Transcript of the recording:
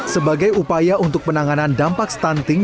sebagai upaya untuk penanganan dampak stunting